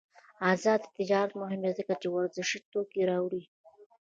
آزاد تجارت مهم دی ځکه چې ورزشي توکي راوړي.